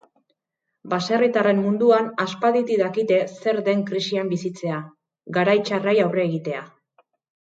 Baserritarren munduan aspalditik dakite zer den krisian bizitzea, garai txarrei aurre egitea.